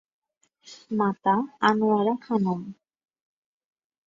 Mata Anowara Khanam.